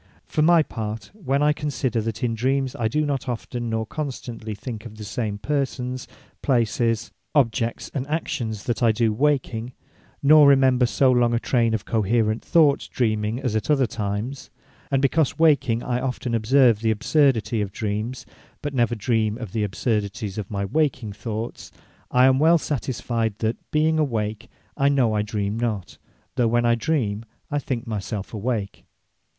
For my part, when I consider, that in Dreames, I do not often, nor constantly think of the same Persons, Places, Objects, and Actions that I do waking; nor remember so long a trayne of coherent thoughts, Dreaming, as at other times; And because waking I often observe the absurdity of Dreames, but never dream of the absurdities of my waking Thoughts; I am well satisfied, that being awake, I know I dreame not; though when I dreame, I think my selfe awake.